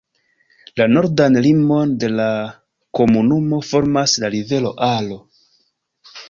La nordan limon de la komunumo formas la rivero Aro.